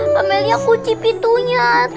pamelia kunci pitunya